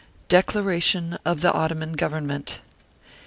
DECLARATION OF THE OTTOMAN GOVERNMENT.